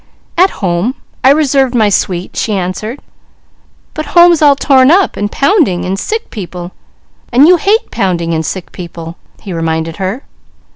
"At home. I reserved my suite!" she answered. "But home's all torn up, and pounding and sick people, and you hate pounding and sick people," he reminded her.